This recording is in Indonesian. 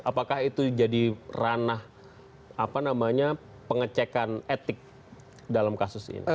apakah itu jadi ranah pengecekan etik dalam kasus ini